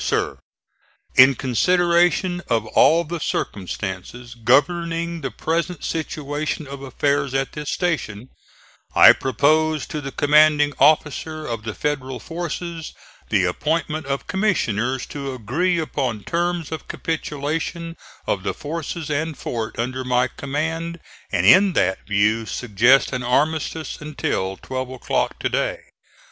SIR: In consideration of all the circumstances governing the present situation of affairs at this station, I propose to the Commanding Officer of the Federal forces the appointment of Commissioners to agree upon terms of capitulation of the forces and fort under my command, and in that view suggest an armistice until 12 o'clock to day.